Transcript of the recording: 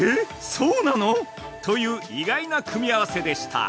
そうなの？という意外な組み合わせでした。